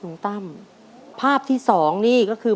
คำถามสำหรับเรื่องนี้คือ